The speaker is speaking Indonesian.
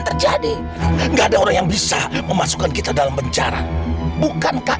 terjadi enggak ada orang yang bisa memasukkan kita dalam penjara bukankah